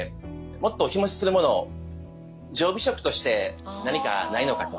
もっと日もちするものを常備食として何かないのかと。